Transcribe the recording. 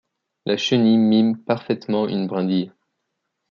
La chenille mime parfaitement une brindille.